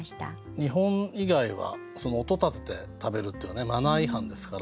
日本以外は音立てて食べるっていうのはマナー違反ですから。